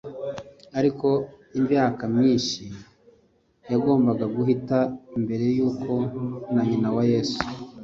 Ariko imvaka myinshi yagombaga guhita mbere yuko na nyina wa Yesu